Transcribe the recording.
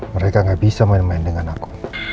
mereka tidak bisa bermain main dengan saya